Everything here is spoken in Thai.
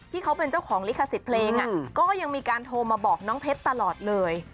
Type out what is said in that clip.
ที่เขาเป็นเจ้าของลิขสิทธิ์เพลงก็ยังมีการโทรมาบอกน้องเพชรตลอดเลย